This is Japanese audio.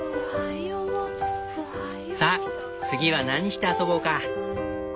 さ次は何して遊ぼうか？